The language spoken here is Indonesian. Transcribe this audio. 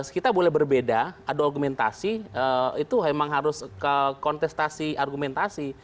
kita boleh berbeda ada argumentasi itu memang harus kontestasi argumentasi